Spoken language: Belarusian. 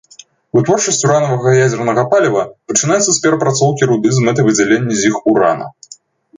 Вытворчасць уранавага ядзернага паліва пачынаецца з перапрацоўкі руды з мэтай выдзялення з іх урана.